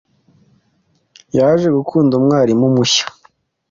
Yaje gukunda umwarimu mushya.